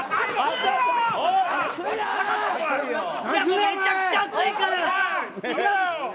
むちゃくちゃ熱いこれ。